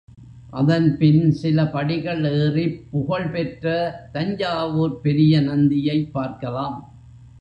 அதன் பின் சில படிகள் ஏறிப் புகழ் பெற்ற தஞ்சாவூர் பெரிய நந்தியைப் பார்க்கலாம்.